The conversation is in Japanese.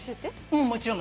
うんもちろん。